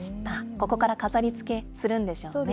ここから飾りつけするんでしょうね。